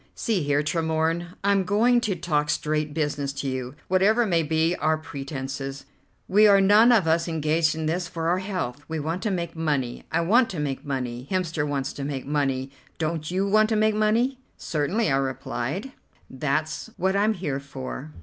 "See here, Tremorne, I'm going to talk straight business to you. Whatever may be our pretences, we are none of us engaged in this for our health; we want to make money. I want to make money; Hemster wants to make money; don't you want to make money?" "Certainly," I replied, "that's what I'm here for."